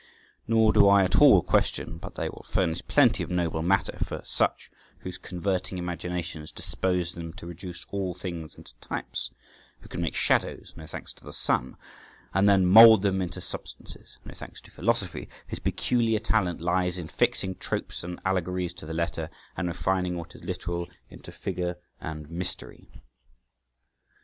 Nor do I at all question but they will furnish plenty of noble matter for such whose converting imaginations dispose them to reduce all things into types, who can make shadows—no thanks to the sun—and then mould them into substances—no thanks to philosophy—whose peculiar talent lies in fixing tropes and allegories to the letter, and refining what is literal into figure and mystery.